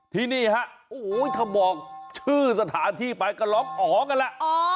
ที่นี่ฮะโอ้โหถ้าบอกชื่อสถานที่ไปก็ร้องอ๋อกันแหละ